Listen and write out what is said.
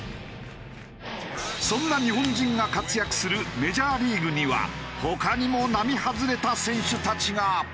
そんな日本人が活躍するメジャーリーグには他にも並外れた選手たちが。